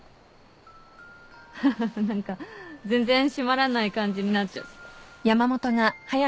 ハハハ何か全然締まらない感じになっちゃ。